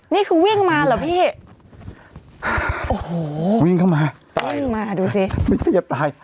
นี่คือวิ่งมาเหรอพี่โอ้โหวิ่งเข้ามาวิ่งมาดูสิไม่ใช่จะตาย